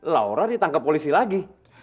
laura ditangkap polisi lagi